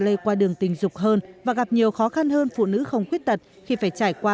lây qua đường tình dục hơn và gặp nhiều khó khăn hơn phụ nữ không khuyết tật khi phải trải qua